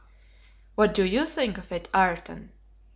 "What do you think of it, Ayrton?"